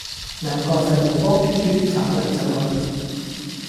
兩個細路光脫脫走黎走去